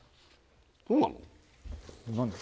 そうなの？